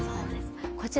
こちら